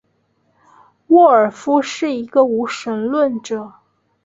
沃尔夫是一个无神论者。